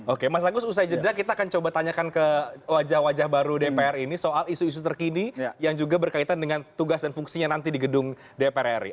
oke mas agus usai jeda kita akan coba tanyakan ke wajah wajah baru dpr ini soal isu isu terkini yang juga berkaitan dengan tugas dan fungsinya nanti di gedung dpr ri